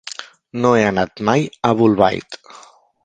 No he anat mai a Bolbait.